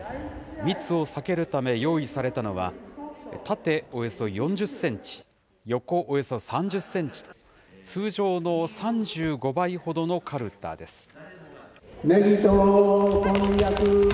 密を避けるため用意されたのは、縦およそ４０センチ、横およそ３０センチ、通常の３５倍ほどのかるたです。